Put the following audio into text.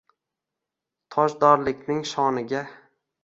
Tojdorlikning shoniga